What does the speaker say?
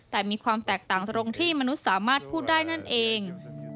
แต่มีความแตกต่างตรงที่มนุษย์สามารถพูดได้นั่นเอง